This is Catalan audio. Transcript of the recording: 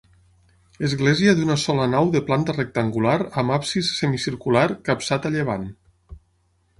Església d'una sola nau de planta rectangular amb absis semicircular capçat a llevant.